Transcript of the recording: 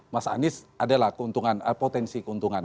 mas anies adalah keuntungan potensi keuntungan